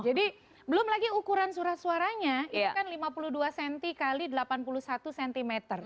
belum lagi ukuran surat suaranya itu kan lima puluh dua cm x delapan puluh satu cm